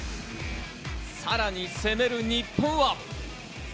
さらに攻める日本は。